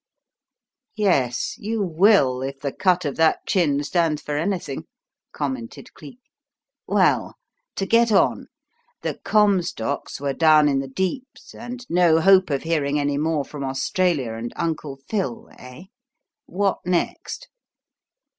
"Yes, you will if the cut of that chin stands for anything," commented Cleek. "Well, to get on: the Comstocks were down in the deeps, and no hope of hearing any more from Australia and Uncle Phil, eh? What next?"